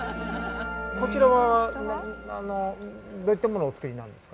こちらはどういったものをお作りになるんですか？